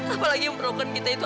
apalagi yang perlukan kita itu